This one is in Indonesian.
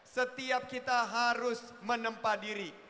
setiap kita harus menempa diri